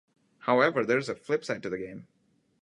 However, there is a flip side to the game.